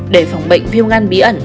để phòng bệnh viêu ngăn bí ẩn